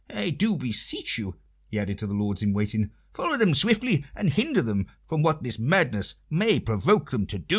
I do beseech you," he added to the lords in waiting, "follow them swiftly, and hinder them from what this madness may provoke them to."